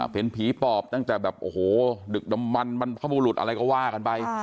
เห็นผีปอบตั้งแต่แบบโอ้โหดึกดำมันบรรพบุรุษอะไรก็ว่ากันไป